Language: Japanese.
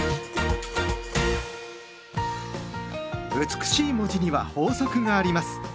美しい文字には法則があります。